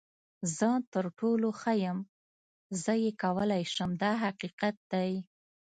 زه تر ټولو ښه یم، زه یې کولی شم دا حقیقت دی.